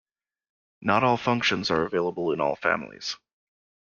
Not all functions are available in all families.